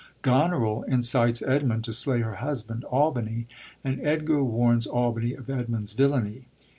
Goneril incites Edmund to slay her husband, Albany ; and Edgar warns Albany of Edmund's villainy.